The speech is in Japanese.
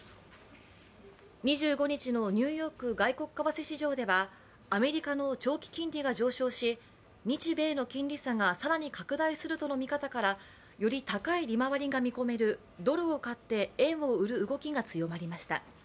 ２５日のニューヨーク外国為替市場では、アメリカの長期金利が上昇し日米の金利差が更に拡大するとの見方からより高い利回りが見込めるドルを買って円を売る動きが強まりました。